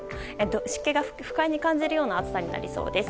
湿気が不快に感じるような暑さになりそうです。